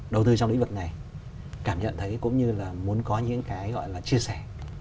đầu tư trong lĩnh vực này cảm nhận thấy cũng như là muốn có những cái chia sẻ